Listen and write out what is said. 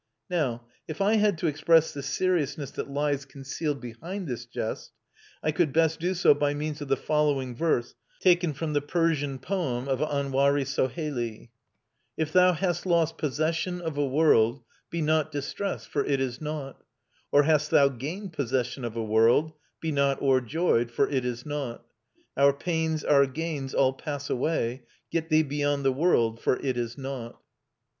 Now, if I had to express the seriousness that lies concealed behind this jest, I could best do so by means of the following verse taken from the Persian poem of Anwari Soheili:— "If thou hast lost possession of a world, Be not distressed, for it is nought; Or hast thou gained possession of a world, Be not o'erjoyed, for it is nought. Our pains, our gains, all pass away; Get thee beyond the world, for it is nought."